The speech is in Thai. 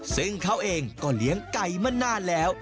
ซึ่งเขาเองก็เลี้ยงไก่มานานแล้ว